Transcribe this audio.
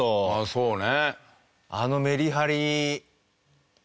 そうね。